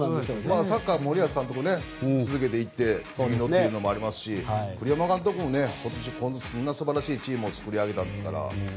サッカーの森保監督も続けていって次のっていうのもありますし栗山監督もこんな素晴らしいチームを作り上げたんですから。